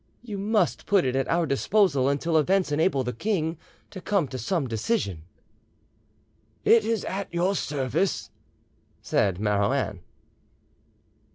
You must put it at our disposal until events enable the king to come to some decision." "It is at your service," said Marouin.